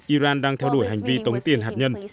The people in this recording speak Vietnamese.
iran đang theo đuổi hành vi tống tiền hạt nhân